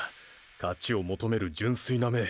勝ちを求める純粋な目！